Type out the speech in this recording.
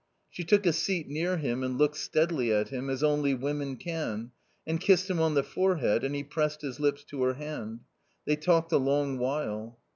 She took a seat near him and looked steadily at him, as only women can, and kissed him on the forehead, and he pressed his lips to her hand. They talked a long while.